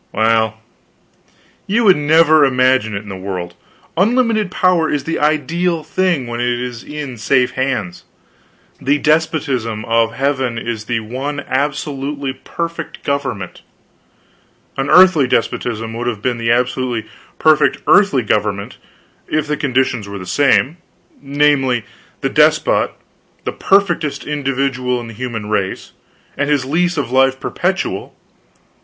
Well, you would never imagine it in the world. Unlimited power is the ideal thing when it is in safe hands. The despotism of heaven is the one absolutely perfect government. An earthly despotism would be the absolutely perfect earthly government, if the conditions were the same, namely, the despot the perfectest individual of the human race, and his lease of life perpetual.